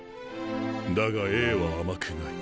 だがＡは甘くない。